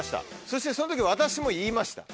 そしてその時私も言いました。